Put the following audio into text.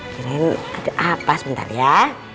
kira kira ada apa sebentar ya